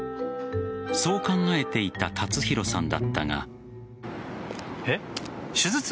そう考えていた達宏さんだったが。